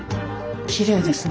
きれいですね。